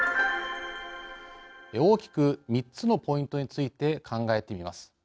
大きく３つのポイントについて考えてみます。